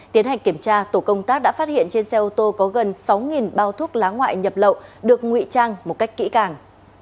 tiến hành kiểm tra tổ công tác đã phát hiện trên xe ô tô có gần sáu bao thuốc lá ngoại nhập lậu được nguy trang một cách kỹ càng